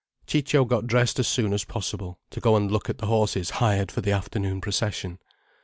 Ciccio got dressed as soon as possible, to go and look at the horses hired for the afternoon procession.